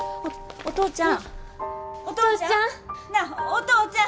お父ちゃん！